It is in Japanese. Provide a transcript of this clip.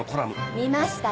見ましたよ。